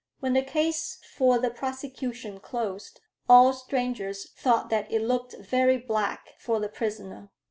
When the case for the prosecution closed, all strangers thought that it looked very black for the prisoner.